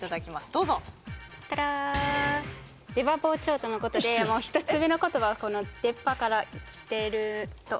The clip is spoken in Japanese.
どうぞタラーン出刃包丁とのことでもう１つ目の言葉はこの「出っぱ」から来てると思って